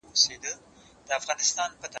هم غم، هم غمور.